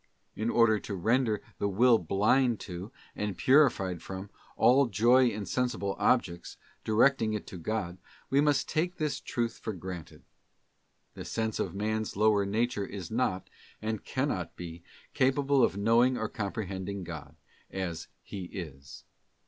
In order to render the will blind to, and purified from, all joy in sensible objects, directing it to God, we must take this truth for granted. The sense of man's lower nature is not, and cannot be, capable of knowing or comprehending God, as * Wisd. i. 5. GOODS OF THE SENSES AND OF IMAGINATION. 265 He is.